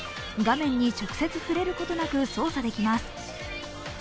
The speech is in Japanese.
画面に直接触れることなく操作できます。